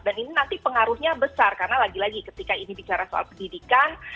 dan ini nanti pengaruhnya besar karena lagi lagi ketika ini bicara soal pendidikan